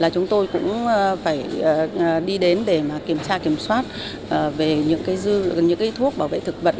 chúng tôi cũng phải đi đến để kiểm tra kiểm soát về những thuốc bảo vệ thực vật